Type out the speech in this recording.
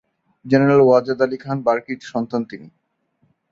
General Wajed Ali Khan বার্কি’র সন্তান তিনি।